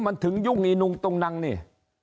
มันถึงยุ่งอีนุงตุงนังนี่